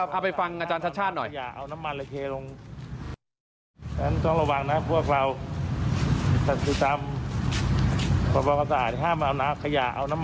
เอาไปฟังอาจารย์ชัดหน่อย